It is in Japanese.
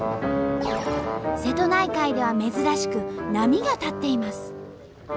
瀬戸内海では珍しく波が立っています。